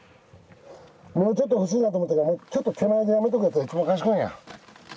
もうちょっと欲しいなと思ってもちょっと手前でやめとくやつが一番賢いんや。